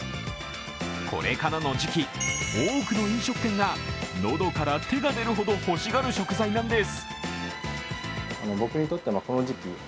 これからの時期、多くの飲食店がのどから手が出るほど欲しがる食材なんです。